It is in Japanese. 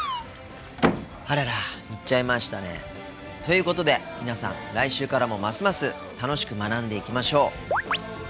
あらら行っちゃいましたね。ということで皆さん来週からもますます楽しく学んでいきましょう。